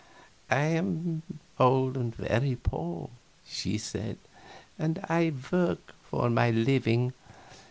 "I am old and very poor," she said, "and I work for my living.